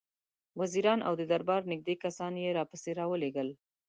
وزیران او د دربار نېږدې کسان یې راپسې را ولېږل.